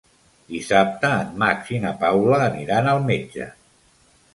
Dissabte en Max i na Paula aniran al metge.